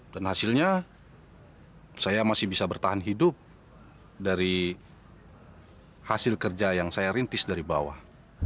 dan hasilnya saya masih bisa bertahan hidup dari hasil kerja yang saya rintis dari bawah